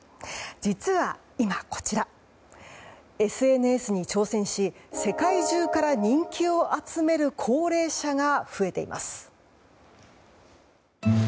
実は、今こちらＳＮＳに挑戦し世界中から人気を集める高齢者が増えています。